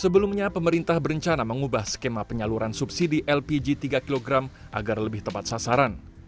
sebelumnya pemerintah berencana mengubah skema penyaluran subsidi lpg tiga kg agar lebih tepat sasaran